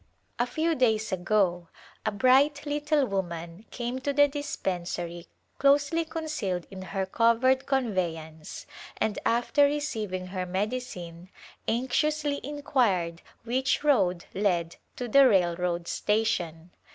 A few days ago a bright little woman came to the dispensary closely concealed in her covered convey ance, and after receiving her medicine anxiously in quired which road led to the railroad station.